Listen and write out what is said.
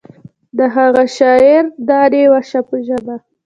د هغه شاعر دانې وشه په ژبه.